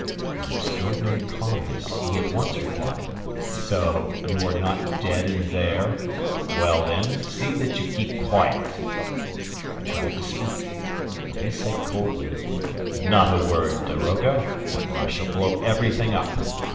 With extraordinary calmness, he at once replied: "So you are not dead in there? Well, then, see that you keep quiet." I tried to speak, but he said coldly: "Not a word, daroga, or I shall blow everything up."